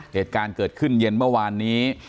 เหตุการณ์เกิดขึ้นเย็นเมื่อวานนี้